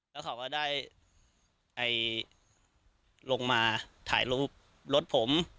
แล้วเขาก็ได้ลงมาถ่ายรูปรถผม